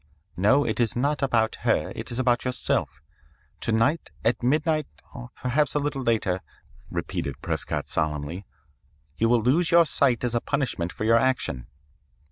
"'No, it is not about her. It is about yourself. To night at midnight or perhaps a little later,' repeated Prescott solemnly, 'you will lose your sight as a punishment for your action.'